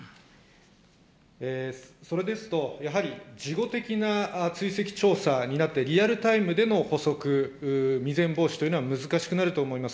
それですと、やはり事後的な追跡調査になって、リアルタイムでの捕捉、未然防止というのが難しくなると思います。